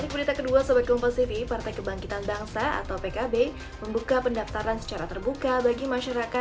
berita kedua sobat kelompok tv partai kebangkitan bangsa atau pkb membuka pendaftaran secara terbaru